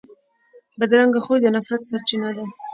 بدرنګه خوی د نفرت سرچینه ده